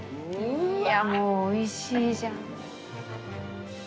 いやもうおいしいじゃん。